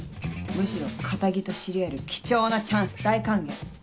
むしろ堅気と知り合える貴重なチャンス大歓迎。